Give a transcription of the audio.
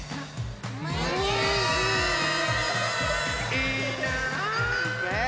いいな。ね。